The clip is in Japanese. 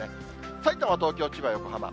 さいたま、東京、千葉、横浜。